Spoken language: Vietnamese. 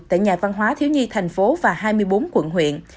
tại nhà văn hóa thiếu nhi thành phố và hai mươi bốn quận huyện